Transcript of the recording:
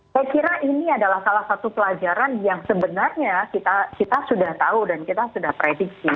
saya kira ini adalah salah satu pelajaran yang sebenarnya kita sudah tahu dan kita sudah prediksi